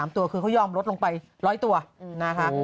๓ตัวคือเขายอมลดลงไป๑๐๐ตัวนะคะ